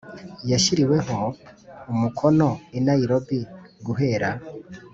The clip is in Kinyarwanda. Yashyiriweho umukono i nairobi guhera